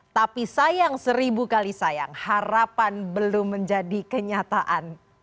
tapi sayang seribu kali sayang harapan belum menjadi kenyataan